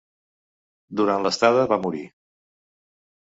Durant l'estada va morir.